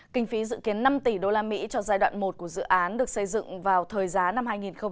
kinh phí dự kiến năm tỷ usd cho giai đoạn một của dự án được xây dựng vào thời giá năm hai nghìn một mươi năm